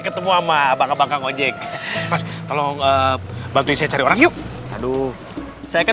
ketemu ama bangka bangka ngajek tolong bantu saya cari orang yuk aduh saya kan